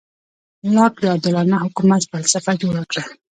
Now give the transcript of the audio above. لاک د عادلانه حکومت فلسفه جوړه کړه.